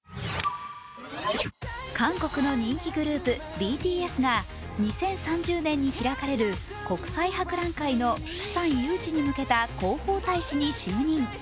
韓国の人気グループＢＴＳが２０３０年に開かれる国際博覧会のプサン誘致に向けた広報大使に就任。